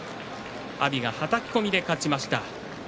阿炎が、はたき込みで勝ちました。